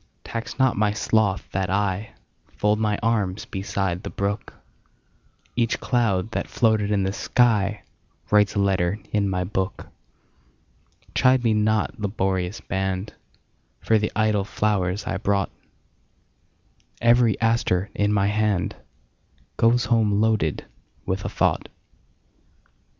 Tax not my sloth that IFold my arms beside the brook; Each cloud that floated in the skyWrites a letter in my book. Chide me not, laborious band, For the idle flowers I brought; Every aster in my handGoes home loaded with a thought.